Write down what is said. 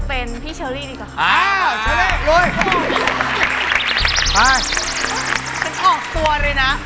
อันไหนตัดค่ะ